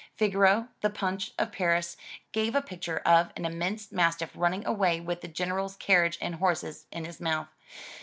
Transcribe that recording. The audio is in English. Figaro, the Punch of Paris, gave a picture of an immense mastiff running away with the General's carriage and horses in his mouth.